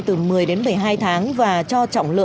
từ một mươi đến một mươi hai tháng